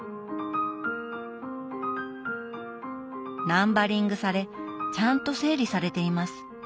ナンバリングされちゃんと整理されています。